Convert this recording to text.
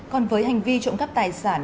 còn với hành vi trộm cắp tài sản